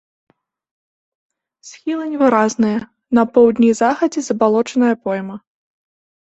Схілы невыразныя, на поўдні і захадзе забалочаная пойма.